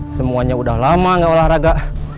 semuanya udah lama gak olahraga